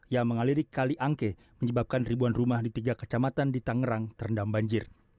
yang mengalirik kali angke menyebabkan ribuan rumah di tiga kecamatan di tangerang terendam banjir